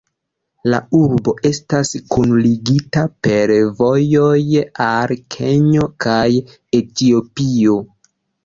La urbo estas kunligita per vojoj al Kenjo kaj Etiopio.